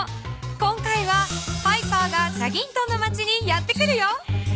今回はパイパーがチャギントンの町にやって来るよ！